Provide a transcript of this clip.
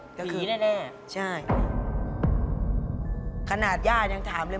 พอได้ดื่มเพราะว่ามีอาการอย่างนั้นอย่างนี้